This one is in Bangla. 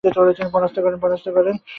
তিনি পরাস্ত করেন।